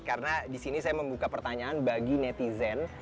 karena di sini saya membuka pertanyaan bagi netizen